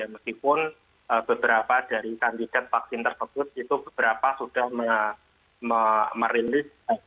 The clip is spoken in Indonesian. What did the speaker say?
meskipun beberapa dari kandidat vaksin tersebut itu beberapa sudah merilis